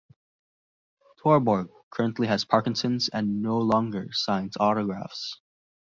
Torborg currently has Parkinson's and no longer signs autographs.